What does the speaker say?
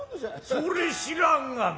それ知らんがな。